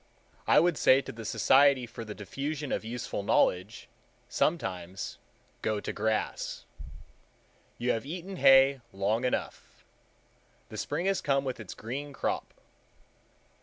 I would say to the Society for the Diffusion of Useful Knowledge, sometimes,—Go to grass. You have eaten hay long enough. The spring has come with its green crop.